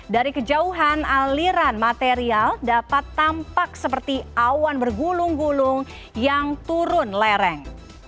dari kejauhan aliran material dapat tampak seperti awan bergulung gulung yang turun lereng